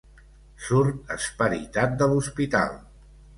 Surt esperitat de l'hospital.